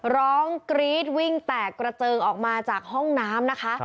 ร้องกรี๊ดวิ่งแตกกระเจิงออกมาจากห้องน้ำนะคะ